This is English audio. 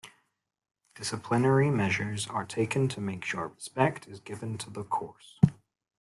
Disciplinary measure are taken to make sure respect is given to the course.